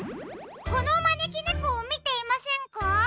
このまねきねこをみていませんか？